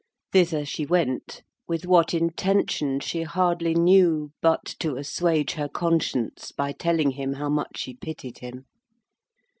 Thither she went: with what intention she hardly knew, but to assuage her conscience by telling him how much she pitied him.